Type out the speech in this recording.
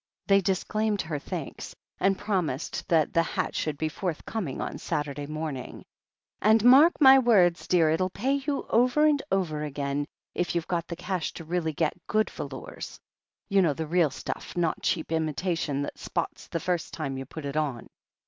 They disclaimed her thanks, and promised that the hat should be forthcoming on Saturday morning. "And mark my words, dear — it'll pay you over and over again, if you've got the cash to get really good velours. You know, the real stuff, not cheap imitation that spots the first time you put it on."